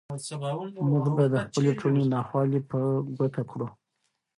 موږ باید د خپلې ټولنې ناخوالې په ګوته کړو.